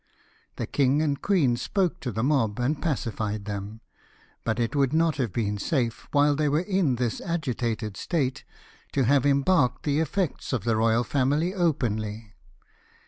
The king and queen spoke to the mob, and pacified them ; but it would not have been safe, while they were in this agitated state, to have embarked the effects of the royal family openly.